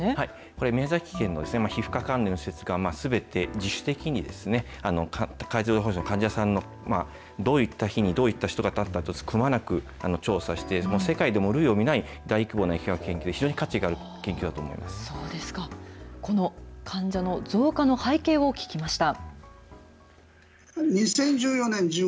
これ、宮崎県の皮膚科関連の施設が、すべて自主的に帯状ほう疹の患者さんの、どういった日に、どういった人がと、くまなく調査して、世界でも類を見ない大規模な比較研究、非常に価値のある研究だと思この患者の増加の背景を聞きました。